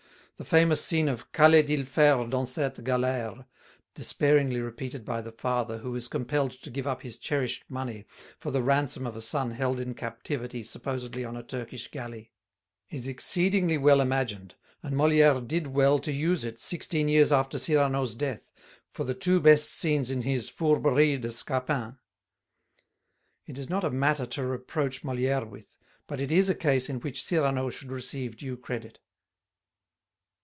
The famous scene of "qu'allait il faire dans cette galère" (despairingly repeated by the father who is compelled to give up his cherished money for the ransom of a son held in captivity supposedly on a Turkish galley) is exceedingly well imagined, and Molière did well to use it, sixteen years after Cyrano's death, for the two best scenes of his Fourberies de Scapin. It is not a matter to reproach Molière with, but it is a case in which Cyrano should receive due credit.